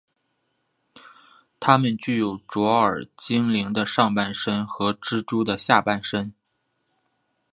他们具有卓尔精灵的上半身和蜘蛛的下半身。